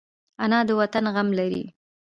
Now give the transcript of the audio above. انا د وطن غم لري